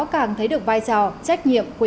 càng thấy được vai trò trách nhiệm của